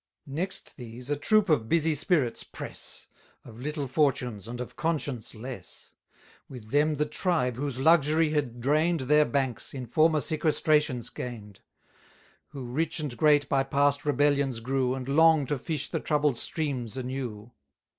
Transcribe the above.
Next these, a troop of busy spirits press, 310 Of little fortunes, and of conscience less; With them the tribe, whose luxury had drain'd Their banks, in former sequestrations gain'd; Who rich and great by past rebellions grew, And long to fish the troubled streams anew.